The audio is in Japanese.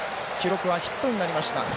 記録はヒットになりました。